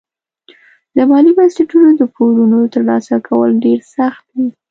له مالي بنسټونو د پورونو ترلاسه کول ډېر سخت وي.